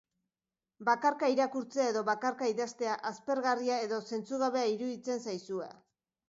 Bakarka irakurtzea edo bakarka idaztea, aspergarria edo zentzugabea iruditzen zaizue.